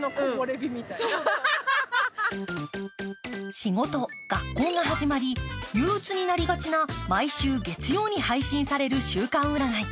仕事、学校が始まり、憂鬱になりがちな毎週月曜に配信される週間占い。